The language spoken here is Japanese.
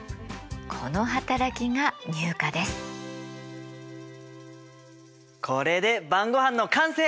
この働きがこれで晩ごはんの完成！